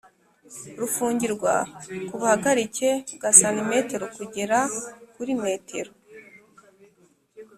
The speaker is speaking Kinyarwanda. rufungirwa kubuhagarike bwa cm kugera kuri m ,